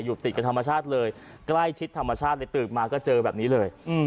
ติดกับธรรมชาติเลยใกล้ชิดธรรมชาติเลยตื่นมาก็เจอแบบนี้เลย